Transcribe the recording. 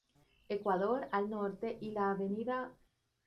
Ecuador al Norte y la Av.